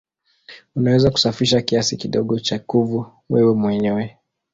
Unaweza kusafisha kiasi kidogo cha kuvu wewe mwenyewe.